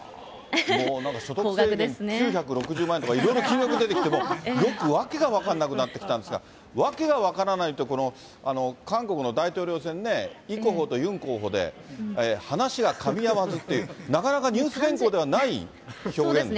もうなんか所得制限９６０万円とかいろいろ金額出てきて、よく訳が分からなくなってきたんですが、訳が分からないって、この韓国の大統領選ね、イ候補とユン候補で話がかみ合わずっていう、なかなかニュース原稿ではない表現ですよね。